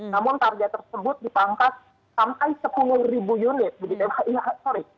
namun target tersebut dipangkas sampai sepuluh unit